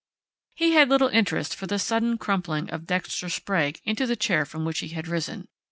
He had little interest for the sudden crumpling of Dexter Sprague into the chair from which he had risen.